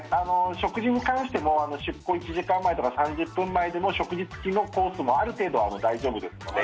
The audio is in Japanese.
食事に関しても出航１時間前とか３０分前でも食事付きのコースもある程度は大丈夫ですので。